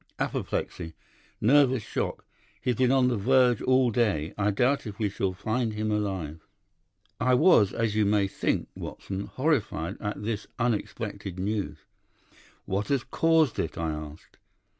"'Apoplexy. Nervous shock, He's been on the verge all day. I doubt if we shall find him alive.' "I was, as you may think, Watson, horrified at this unexpected news. "'What has caused it?' I asked.